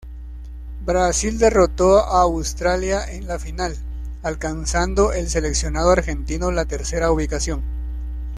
Brasil derrotó a Australia en la final, alcanzando el seleccionado argentino la tercera ubicación.